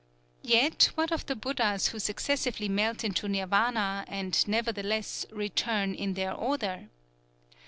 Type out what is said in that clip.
'_" Yet what of the Buddhas who successively melt into Nirvana, and nevertheless "return in their order"?